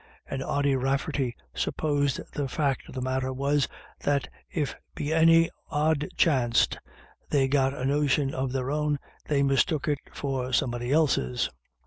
And Ody Rafferty sup posed the fact of the matter was " that if be any odd chanst they got a notion of their own, they mistook it for somebody else's."